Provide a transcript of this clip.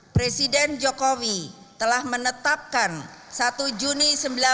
presiden jokowi telah menetapkan satu juni seribu sembilan ratus empat puluh lima